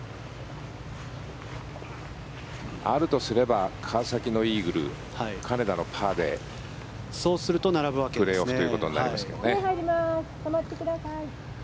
あるとすれば川崎のイーグル金田のパーでプレーオフということになりますけどね。